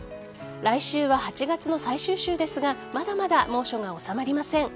来週は８月の最終週ですがまだまだ猛暑が収まりません。